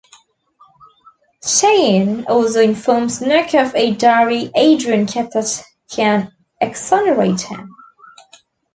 Cheyenne also informs Nick of a diary Adrian kept that can exonerate him.